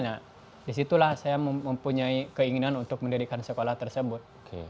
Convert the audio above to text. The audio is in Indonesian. nah disitulah saya mempunyai keinginan untuk mendirikan sekolah tersebut